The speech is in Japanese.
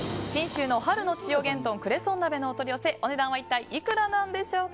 信州の春の千代幻豚クレソン鍋のお取り寄せお値段は一体いくらなんでしょうか。